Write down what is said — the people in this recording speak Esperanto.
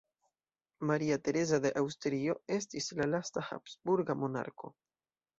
Maria Tereza de Aŭstrio estis la lasta habsburga monarko.